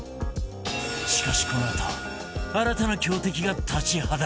しかしこのあと新たな強敵が立ちはだかる